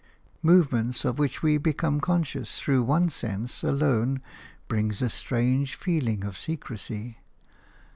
Movements of which we become conscious through one sense alone bring a strange feeling of secrecy.